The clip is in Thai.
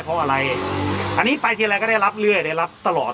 เพราะอะไรอันนี้ไปทีไรก็ได้รับเรื่อยได้รับตลอด